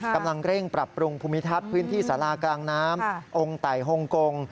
กำลังเร่งปรับปรุงภูมิทัศน์พื้นที่สารากลางน้ำองค์ไต่ฮงกง